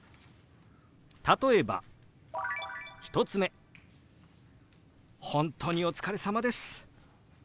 例えば１つ目「本当にお疲れさまです」。